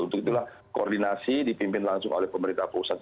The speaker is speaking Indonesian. untuk itulah koordinasi dipimpin langsung oleh pemerintah pusat